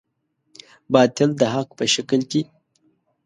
باطل د حق په شکل کې.